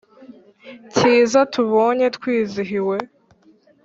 cyiza tubonye twizihiwe